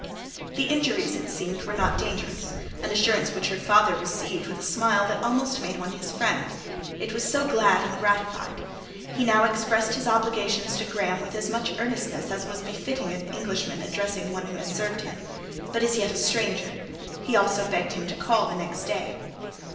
The injuries, it seems, were not dangerous: an assurance which her father received with a smile that almost made one his friend—it was so glad and gratified. He now expressed his obligations to Graham with as much earnestness as was befitting an Englishman addressing one who has served him, but is yet a stranger; he also begged him to call the next day.